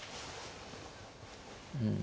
うん。